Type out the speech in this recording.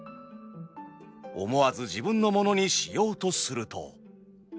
思わず自分の物にしようとすると。